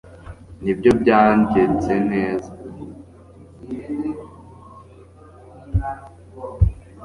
nibyo, byagenze neza